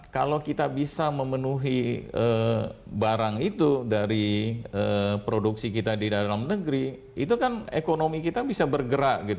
kalau kita bisa memenuhi barang itu dari produksi kita di dalam negeri itu kan ekonomi kita bisa bergerak